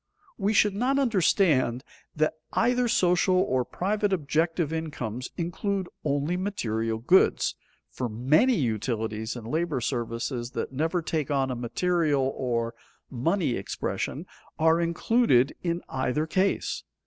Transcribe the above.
We should not understand that either social or private objective incomes include only material goods, for many utilities and labor services that never take on a material or money expression are included in either case.